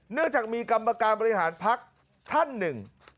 เนื่องจากมีกรรมการบริหารพักท่านหนึ่ง